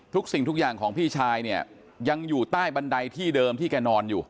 สิ่งทุกอย่างของพี่ชายเนี่ยยังอยู่ใต้บันไดที่เดิมที่แกนอนอยู่